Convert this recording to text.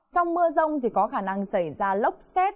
trong mưa rông thì có khả năng xảy ra lốc xét